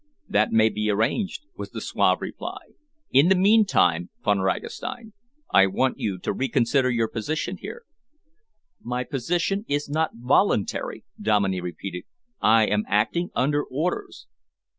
"That may be arranged," was the suave reply. "In the meantime, Von Ragastein, I want you to reconsider your position here." "My position is not voluntary," Dominey repeated. "I am acting under orders."